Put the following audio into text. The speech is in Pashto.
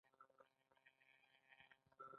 چین راغلی دی.